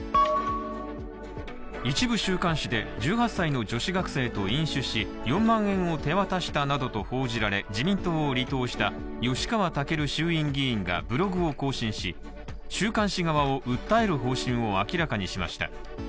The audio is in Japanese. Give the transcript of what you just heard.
一部週刊誌で、１８歳の女子学生と飲酒し４万円を手渡したなどと報じられ、自民党を離党した吉川赳衆院議員がブログを更新し週刊誌側を訴える方針を明らかにしました。